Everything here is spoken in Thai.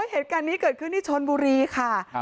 เหตุการณ์นี้เกิดขึ้นที่ชนบุรีค่ะ